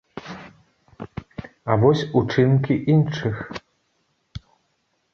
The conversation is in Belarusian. А вось учынкі іншых.